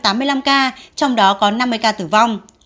tới ba mươi bốn chín trăm tám mươi năm ca trong đó có năm mươi ca tử vong